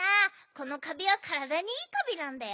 このカビはからだにいいカビなんだよ。